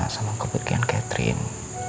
sama kepergian catherine